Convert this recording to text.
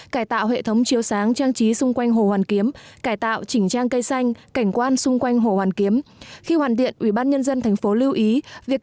cải tạo hệ thống chiếu sáng trang trí xung quanh hồ hoàn kiếm cải tạo chỉnh trang cây xanh cảnh quan xung quanh hồ hoàn kiếm